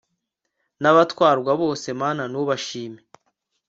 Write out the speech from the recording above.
n'abatwarwa bose mana n'ubashime